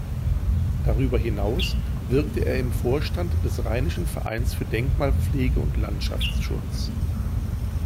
Darüber hinaus wirkte er im Vorstand des Rheinischen Vereins für Denkmalpflege und Landschaftsschutz.